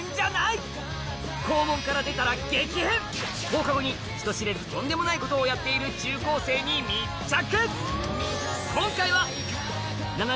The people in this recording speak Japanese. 放課後に人知れずとんでもないことをやっている中高生に密着！